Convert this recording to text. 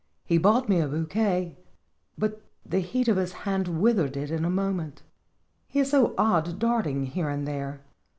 He bought me a bou quet, but the heat of his hand withered it in a moment. He is so odd darting here and there.